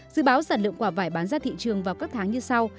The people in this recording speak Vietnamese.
dự báo sản lượng quả vải bán ra thị trường vào các tháng như sau